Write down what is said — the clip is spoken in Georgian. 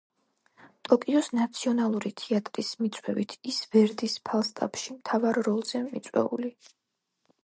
ტოკიოს ნაციონალური თეატრის მიწვევით ის ვერდის „ფალსტაფში“ მთავარ როლზეა მიწვეული.